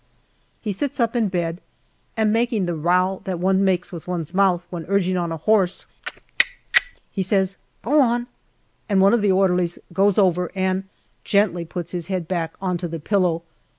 He sits up in bed, and making the row that one makes with one's mouth when urging on a horse, he says, " Go on." One of the orderlies goes over and gently puts his head back on to the pillow.